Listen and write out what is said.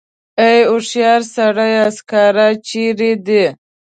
ای هوښیار سړیه سکاره چېرې دي.